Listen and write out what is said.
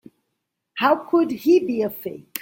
How could he be a fake?